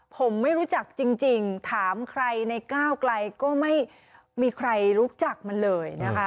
ผมไม่รู้จักจริงถามใครในก้าวไกลก็ไม่มีใครรู้จักมันเลยนะคะ